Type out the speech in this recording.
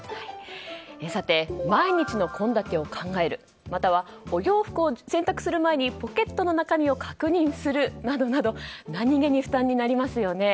毎日の献立を考えるまたはお洋服を洗濯する前にポケットの中身を確認するなどなど何気に負担になりますよね。